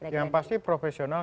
yang pasti profesional